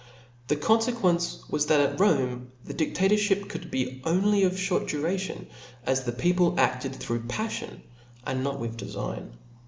The confequence was, that n. at Rome the diftatorfliip could be only of a Ihort *^'^' duration, as the people aft through paflion and not with defign.